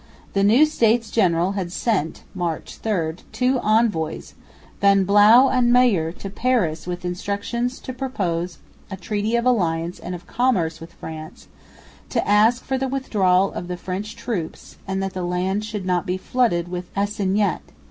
The new States General had sent (March 3) two envoys, Van Blauw and Meyer, to Paris with instructions to propose a treaty of alliance and of commerce with France, to ask for the withdrawal of the French troops and that the land should not be flooded with assignats.